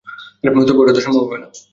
তবে, ওটাতো সম্ভব হবে না।